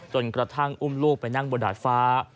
กระทั่งอุ้มลูกไปนั่งบนดาดฟ้า